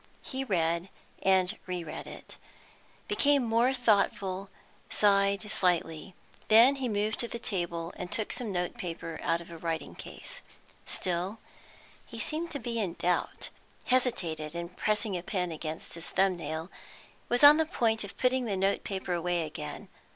He read and re read it, became more thoughtful, sighed slightly. Then he moved to the table and took some note paper out of a writing case. Still he seemed to be in doubt, hesitated in pressing a pen against his thumb nail, was on the point of putting the note paper away again.